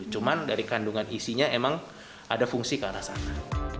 cuman dari kandungan isinya emang ada fungsi ke arah sana